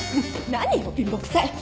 何よ貧乏くさい。